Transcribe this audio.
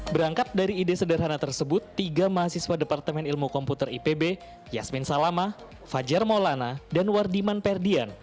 berangkat dari ide sederhana tersebut tiga mahasiswa departemen ilmu komputer ipb yasmin salama fajar maulana dan wardiman perdian